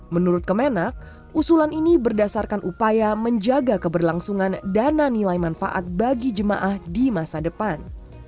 menurut kemenak usulan ini berdasarkan upaya menjaga keberlangsungan dana nilai manfaat bagi jemaah di masa depan